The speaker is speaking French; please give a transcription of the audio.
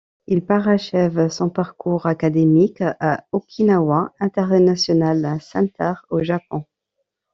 Il parachève son parcours académique à Okinawa International Center au Japon.